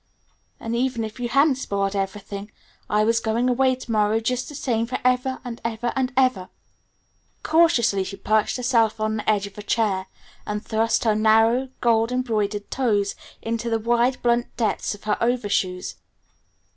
And even if you hadn't spoiled everything, I was going away to morrow just the same forever and ever and ever!" Cautiously she perched herself on the edge of a chair, and thrust her narrow, gold embroidered toes into the wide, blunt depths of her overshoes.